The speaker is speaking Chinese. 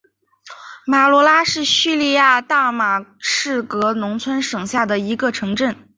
马卢拉是叙利亚大马士革农村省下的一个城镇。